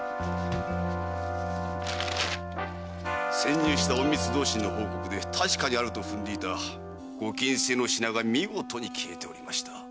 潜入した隠密同心の報告で確かにあると踏んでいた御禁制の品が見事に消えておりました。